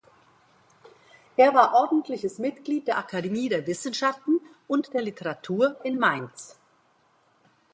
Er war ordentliches Mitglied der Akademie der Wissenschaften und der Literatur in Mainz.